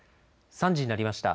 ３時になりました。